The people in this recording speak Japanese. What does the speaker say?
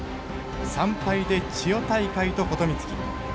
３敗で千代大海と琴光喜。